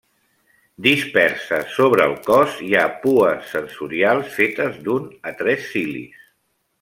Disperses sobre el cos hi ha pues sensorials fetes d'un a tres cilis.